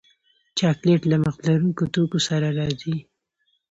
چاکلېټ له مغز لرونکو توکو سره راځي.